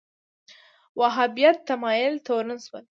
وهابیت تمایل تورن شول